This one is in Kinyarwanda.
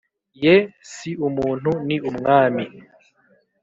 yee si umuntu ni umwami!